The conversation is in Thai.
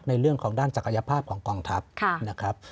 ในเรื่องของด้านศักยภาพของกองทัพนะครับ